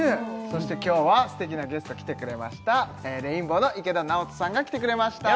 そして今日は素敵なゲスト来てくれましたレインボーの池田直人さんが来てくれました